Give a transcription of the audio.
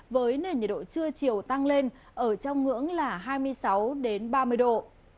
với nền nhiệt độ trưa chiều tăng lên ở trong ngưỡng là hai mươi sáu ba mươi độ